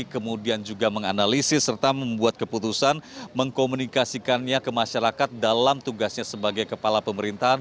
kemudian juga menganalisis serta membuat keputusan mengkomunikasikannya ke masyarakat dalam tugasnya sebagai kepala pemerintahan